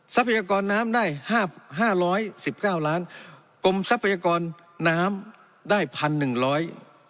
ทรัพยากรน้ำได้ห้าห้าร้อยสิบเก้าล้านกรมทรัพยากรน้ำได้พันหนึ่งร้อย